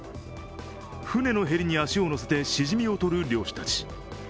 船のへりに足を乗せてしじみをとる漁師たち。